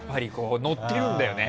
載ってるんだよね。